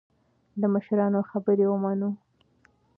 د مشرانو خبرې ومنو.